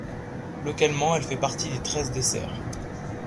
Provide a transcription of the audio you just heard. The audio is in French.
Localement, elle fait partie des treize desserts.